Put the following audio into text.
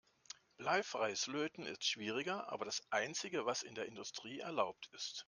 Bleifreies Löten ist schwieriger, aber das einzige, was in der Industrie erlaubt ist.